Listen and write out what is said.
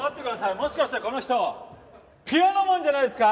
もしかしてこの人ピアノマンじゃないですか？